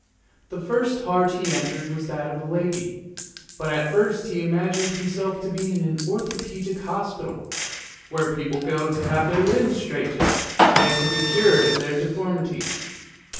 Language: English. The first heart he entered was that of a lady, but at first he imagined him self to be in an Orthopaedic Hospital, where people go to have their limbs straightened, and to be cured of their deformities.